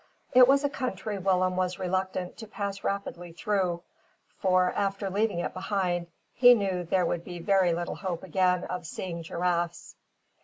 It was a country Willem was reluctant to pass rapidly through; for, after leaving it behind, he knew there would be very little hope of again seeing giraffes.